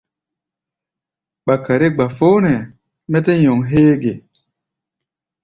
Ɓakare gbafón hɛ̧ɛ̧, mɛ́ tɛ́ nyɔŋ héé ge?